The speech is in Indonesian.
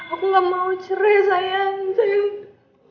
aku gak mau cerai sayang